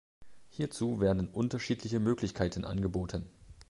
Hierzu werden unterschiedliche Möglichkeiten angeboten.